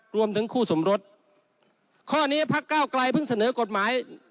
รวมถึงคู่สมรสข้อนี้พักเก้าไกลเพิ่งเสนอกฎหมาย